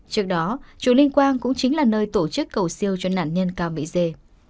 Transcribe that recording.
trước đó chùa linh quang cũng chính là nơi tổ chức cầu siêu cho nạn nhân cao mỹ dê